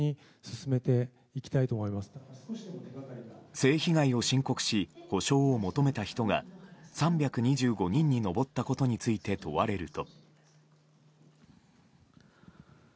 性被害を申告し補償を求めた人が３２５人に上ったことについて問われると。